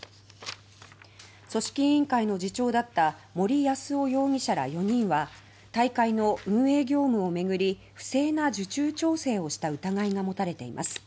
組織委員会の次長だった森泰夫容疑者ら４人は大会の運営業務を巡り不正な受注調整をした疑いが持たれています。